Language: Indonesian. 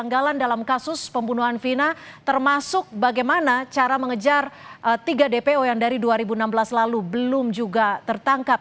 kejanggalan dalam kasus pembunuhan vina termasuk bagaimana cara mengejar tiga dpo yang dari dua ribu enam belas lalu belum juga tertangkap